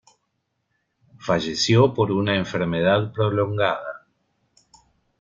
Falleció por una enfermedad prolongada.